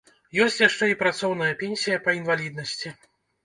Ёсць яшчэ і працоўная пенсія па інваліднасці.